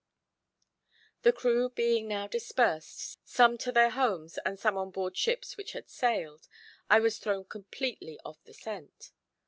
The crew being now dispersed, some to their homes, and some on board ships which had sailed, I was thrown completely off the scent.